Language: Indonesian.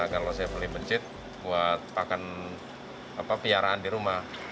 kalau saya beli mencit buat pakan piharaan di rumah